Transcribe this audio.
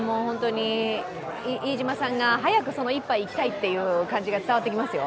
飯島さんが早く一杯いきたいという感じが伝わってきますよ。